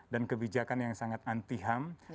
kebijakan yang sangat anti ham